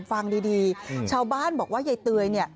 ฟังดีชาวบ้านเบาะว่ายายเต๋วยนี่